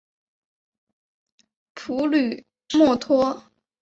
普吕默托。